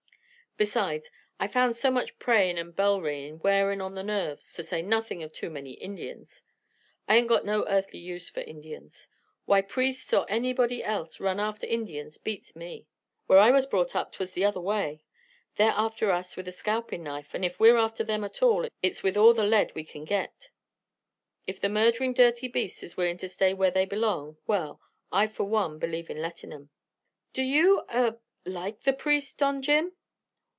Besides, I found so much prayin' and bell ringin' wearin' on the nerves, to say nothin' of too many Indians. I ain't got no earthly use for Indians. Why priests or anybody else run after Indians beats me. Where I was brought up 't was the other way. They're after us with a scalpin' knife, and if we're after them at all it's with all the lead we kin git. If the murderin' dirty beasts is willin' to stay where they belong, well, I for one believe in lettin' 'em." "Do you ah like the priest, Don Jim?"